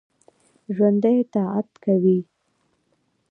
ژوندي طاعت کوي